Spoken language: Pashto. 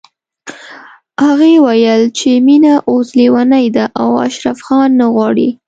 هغې ويل چې مينه اوس ليونۍ ده او اشرف خان نه غواړي